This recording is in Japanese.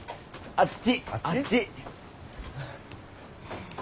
あっち？